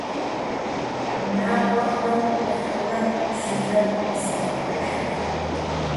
Унагъуэхэм ӏухьэурэ жылэр къызэхакӏухьырт.